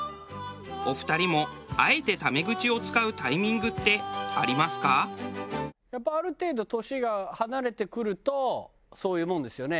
お二人もやっぱある程度年が離れてくるとそういうもんですよね？